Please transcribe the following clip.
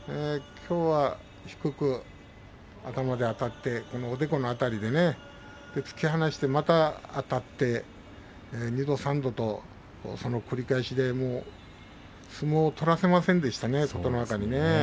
低く頭であたっておでこの辺りそして突き放して、またあたって２度、３度その繰り返しで相手に相撲を取らせませんでしたね。